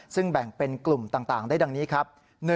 ซึ่งแบ่งเป็นกลุ่มต่างได้ดังนี้ครับ